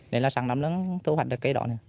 nên là sáng năm nó thu hoạch được cây đó